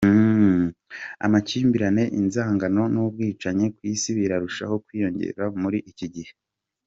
Amakimbirane, inzangano n’ubwicanyi ku isi birarushaho kwiyongera muri iki gihe.